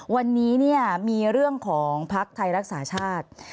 วันนี้มีเรื่องของภักดิ์ไทยรักษาชาติ